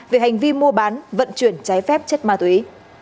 về hành vi mua bán vận chuyển trái phép chất ma túy